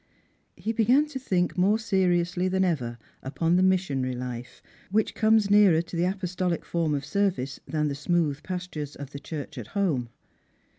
He began to think more seriously than ever ujion the missionary life which comes nearer to the apostolic form of service than the smooth pastures of the church tit home.